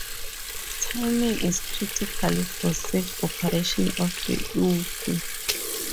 Timing is critical for safe operation of the "usu".